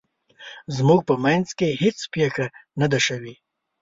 زموږ په مینځ کې هیڅ پیښه نه ده شوې